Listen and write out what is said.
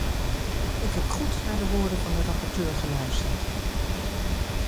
Ik heb goed naar de woorden van de rapporteur geluisterd.